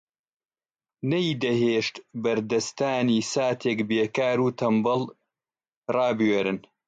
نەیدەهێشت بەردەستانی ساتێک بێکار و تەنبەڵ ڕایبوێرن